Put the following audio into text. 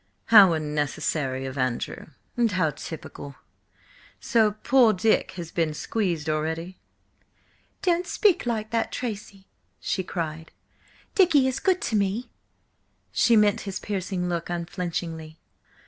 "How unnecessary of Andrew! And how typical! So 'poor Dick' has been squeezed already?" "Don't speak like that, Tracy!" she cried. "Dicky is good to me!" She met his piercing look unflinchingly.